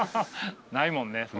ないもんね